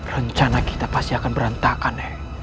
rencana kita pasti akan berantakan